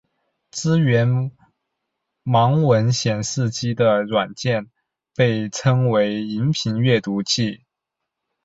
支援盲文显示机的软件被称为萤幕阅读器。